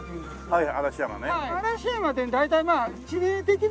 はい。